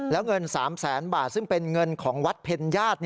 แล้วเงิน๓๐๐๐๐๐บาทซึ่งเป็นเงินของวัดเพรยาช